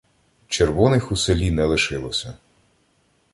Червоних у селі не лишилося.